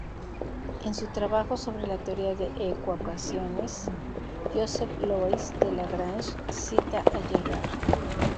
En su trabajo sobre la Teoría de ecuaciones, Joseph-Louis de Lagrange cita a Girard.